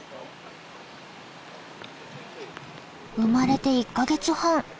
生まれて１か月半。